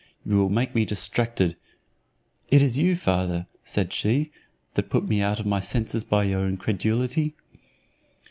you will make me distracted!" "It is you, father," said she, "that put me out of my senses by your incredulity."